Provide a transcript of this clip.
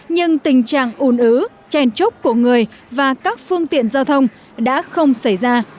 nhưng tình trạng ồn ứ chen chốc của người và các phương tiện giao thông đã không xảy ra